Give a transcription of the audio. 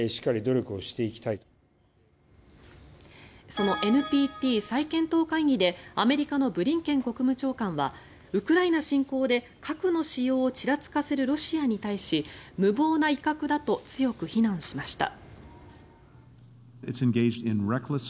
そのＮＰＴ再検討会議でアメリカのブリンケン国務長官はウクライナ侵攻で核の使用をちらつかせるロシアに対し無謀な威嚇だと強く非難しました。